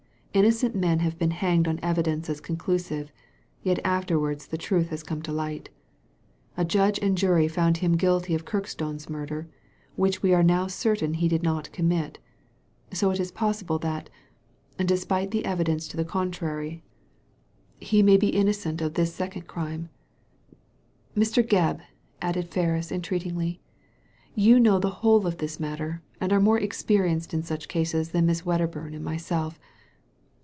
Innocent men have been hanged on evidence as conclusive ; yet afterwards the truth has come to light A judge and jury found him guilty of Kirkstone's murder, which we are now certain he did not commit, so it is possible that, despite the evidence to the contrary, he may be Digitized by Google 234 THE LADY FROM NOWHERE innocent of this second crime. Mr. Gebb !" added Ferris, entreatingly, "you know the whole of this matter, and are more experienced in such cases than Miss Wedderburn and myself.